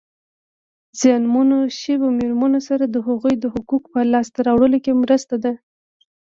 زیانمنو شویو مېرمنو سره د هغوی د حقوقو په لاسته راوړلو کې مرسته ده.